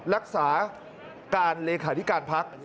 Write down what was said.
รักษาการเลขาธิการพัก